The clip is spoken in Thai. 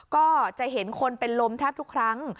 ก็จะเห็นคนเป็นลมแทบทุกครั้ง